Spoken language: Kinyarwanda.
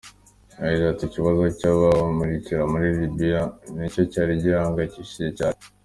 Yagize ati “Ikibazo cy’abimukira muri Libiya nicyo cyari gihangayikishije cyane.